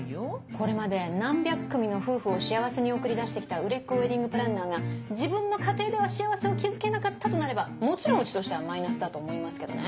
これまで何百組の夫婦を幸せに送り出してきた売れっ子ウエディングプランナーが自分の家庭では幸せを築けなかったとなればもちろんうちとしてはマイナスだと思いますけどね。